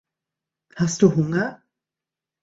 Hast du Hunger?